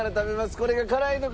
「これが辛いのか？